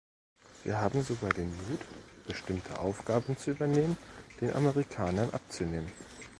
Wir haben sogar den Mut, bestimmte Aufgaben zu übernehmen, den Amerikanern abzunehmen.